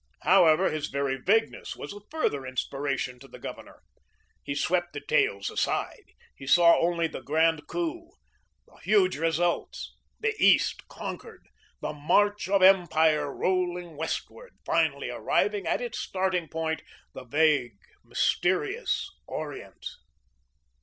However, his very vagueness was a further inspiration to the Governor. He swept details aside. He saw only the grand coup, the huge results, the East conquered, the march of empire rolling westward, finally arriving at its starting point, the vague, mysterious Orient.